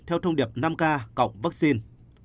theo thông điệp năm k cộng vaccine